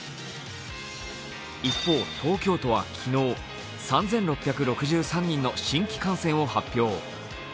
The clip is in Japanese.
一方、東京都は昨日、３６６３人の新規感染を発表。